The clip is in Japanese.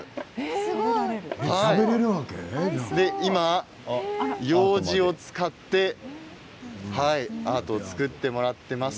今、ようじを使ってアートを作ってもらっています。